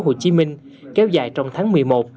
hồ chí minh kéo dài trong tháng một mươi một